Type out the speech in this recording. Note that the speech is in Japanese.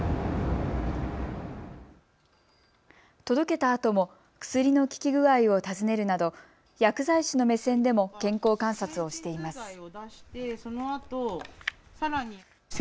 届けたあとも薬の効き具合を尋ねるなど薬剤師の目線でも健康観察をしています。